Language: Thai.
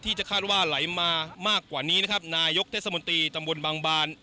ที่จะคาดว่าไหลมามากกว่านี้นะครับนายกเทศมนตรีตำบลบางบาน